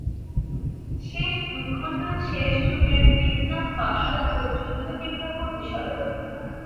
শেষ দুখণ্ড শেষ যুগের ফিতনা-ফাসাদ ও যুদ্ধবিগ্রহ বিষয়ক।